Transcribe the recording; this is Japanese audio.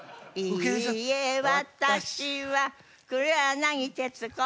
「いいえ私は黒柳徹子」